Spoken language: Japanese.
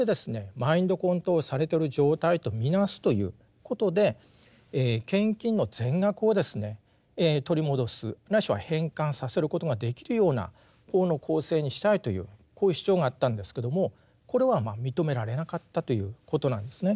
マインドコントロールされてる状態と見なすということで献金の全額をですね取り戻すないしは返還させることができるような法の構成にしたいというこういう主張があったんですけどもこれはまあ認められなかったということなんですね。